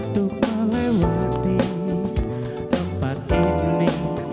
untuk melewati tempat ini